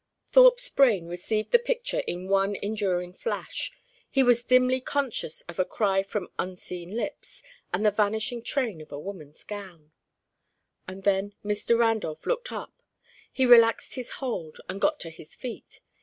Thorpe's brain received the picture in one enduring flash. He was dimly conscious of a cry from unseen lips, and the vanishing train of a woman's gown. And then Mr. Randolph looked up. He relaxed his hold and got to his feet.